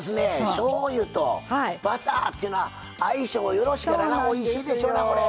しょうゆとバターっていうのは相性よろしくておいしいでしょうな。